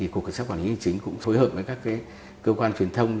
cục cảnh sát quản lý hành chính cũng phối hợp với các cơ quan truyền thông